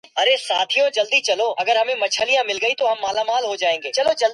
Member clubs arrange to hold test sessions and competitions.